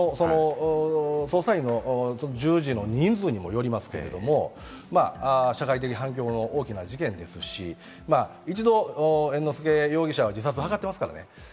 捜査員の従事の人数にもよりますけれども、社会的反響の大きな事件ですし、一度、猿之助容疑者は自殺を図っていますからね。